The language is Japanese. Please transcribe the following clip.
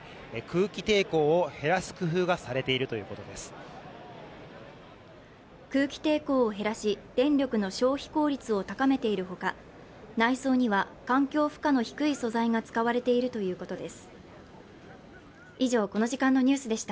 空気抵抗を減らし、電力の消費効率を高めているほか内装には環境負荷の低い素材が使われているということです。